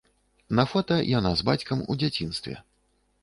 На фота яна з бацькам у дзяцінстве.